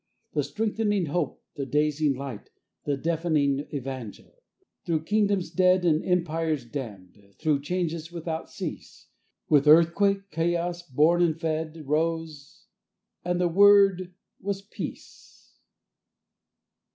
The strengthening hope, the dazing light, the deafening evangel, Through kingdoms dead and empires damned, through changes without cease, With earthquake, chaos, born and fed, rose, and the word was "Peace."